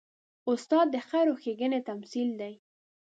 استاد د خیر او ښېګڼې تمثیل دی.